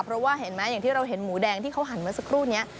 เพราะว่าเห็นไหมอย่างที่เราเห็นหมูแดงที่เขาหันมาสักครู่นี้